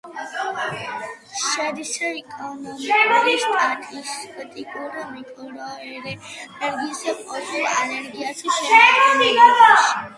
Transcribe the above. შედის ეკონომიკურ-სტატისტიკურ მიკრორეგიონ პოზუ-ალეგრის შემადგენლობაში.